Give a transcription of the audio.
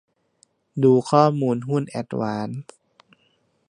ดูข้อมูลหุ้นแอดวานซ์